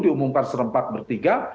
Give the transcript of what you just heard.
diumumkan serampak bertiga